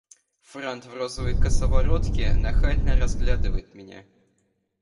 Франт в розовой косоворотке нахально разглядывает меня.